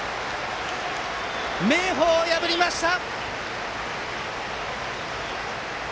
明豊を破りました！